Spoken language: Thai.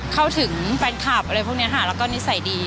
เข้าถึงแฟนคลับอะไรพวกนี้ค่ะแล้วก็นิสัยดี